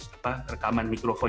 apa rekaman mikrofon